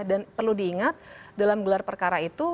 dan perlu diingat dalam gelar perkara itu